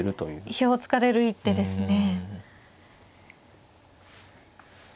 意表をつかれる一手ですね。